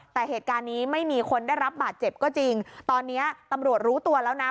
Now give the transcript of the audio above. แต่เหตุการณ์นี้ไม่มีคนได้รับบาดเจ็บก็จริงตอนนี้ตำรวจรู้ตัวแล้วนะ